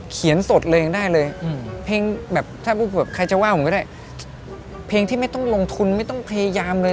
สดเลยยังได้เลยเพลงแบบถ้าใครจะว่าผมก็ได้เพลงที่ไม่ต้องลงทุนไม่ต้องพยายามเลย